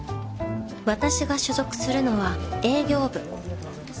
私が所属するのは営業部。